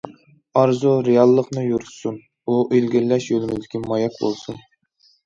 ئارزۇ رېئاللىقنى يورۇتسۇن، ئۇ ئىلگىرىلەش يولىمىزدىكى ماياك بولسۇن.